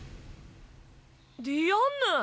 ディアンヌ！